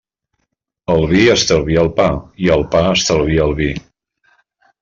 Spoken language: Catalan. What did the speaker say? El vi estalvia el pa i el pa estalvia el vi.